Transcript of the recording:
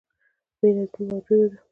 بې نظمي موجوده ده.